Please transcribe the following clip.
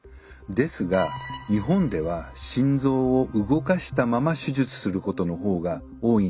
ですが日本では心臓を動かしたまま手術することの方が多いんです。